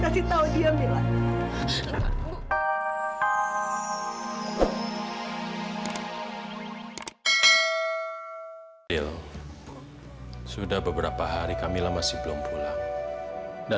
tau dia mila